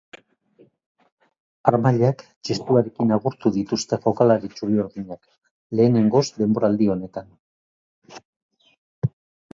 Harmailak txistuarekin agurtu dituzte jokalari txuri-urdinak lehenengoz denboraldi honetan.